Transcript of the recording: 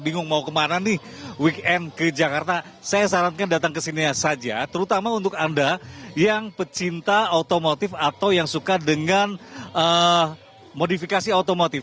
bingung mau kemana nih weekend ke jakarta saya sarankan datang ke sini saja terutama untuk anda yang pecinta otomotif atau yang suka dengan modifikasi otomotif